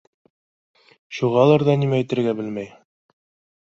Шуғалыр ҙа нимә әйтергә белмәй.